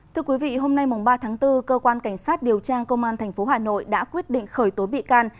thưa quý vị hôm nay ba tháng bốn cơ quan cảnh sát điều tra công an tp hà nội đã quyết định khởi tố bị can